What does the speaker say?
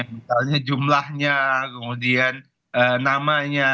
misalnya jumlahnya kemudian namanya